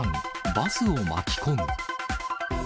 バスを巻き込む。